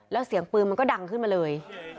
แล้วเสียงปืนมันก็ดังขึ้นมาเลย